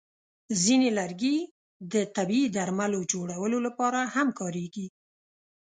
ځینې لرګي د طبیعي درملو جوړولو لپاره هم کارېږي.